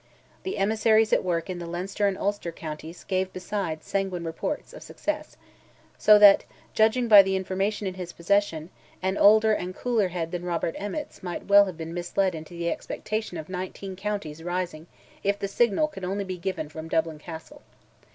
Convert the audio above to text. The emissaries at work in the Leinster and Ulster counties gave besides sanguine reports of success, so that, judging by the information in his possession, an older and cooler head than Robert Emmet's might well have been misled into the expectation of nineteen counties rising if the signal could only be given from Dublin Castle.